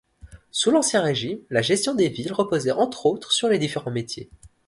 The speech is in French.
Sous l'Ancien Régime, la gestion des villes reposait entre autres sur les différents métiers.